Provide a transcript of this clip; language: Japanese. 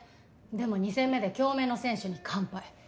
でも２戦目で京明の選手に完敗。